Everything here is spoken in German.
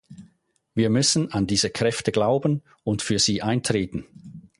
Wir müssen an diese Kräfte glauben und für sie eintreten.